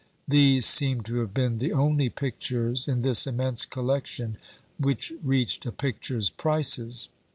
These seem to have been the only pictures, in this immense collection, which reached a picture's prices.